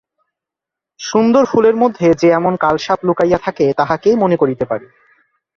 সুন্দর ফুলের মধ্যে যে এমন কাল-সাপ লুকাইয়া থাকে তাহা কে মনে করিতে পারে?